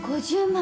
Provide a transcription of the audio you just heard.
５０万。